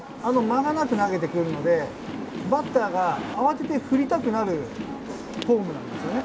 間がなく投げてくるので、バッターが慌てて振りたくなるフォームなんですよね。